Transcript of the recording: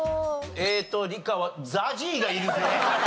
ええと理科はＺＡＺＹがいるぜ。